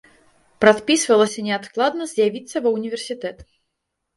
Прадпісвалася неадкладна з'явіцца ва ўніверсітэт.